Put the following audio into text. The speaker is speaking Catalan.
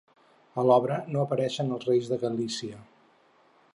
A l'obra no apareixen els reis de Galícia.